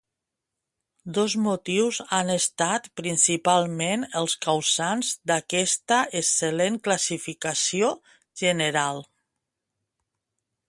Dos motius han estat principalment els causants d'aquesta excel·lent classificació general.